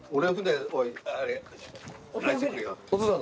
お父さんの？